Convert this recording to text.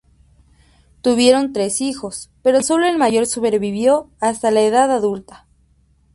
Tuvieron tres hijos, pero sólo el mayor sobrevivió hasta la edad adulta.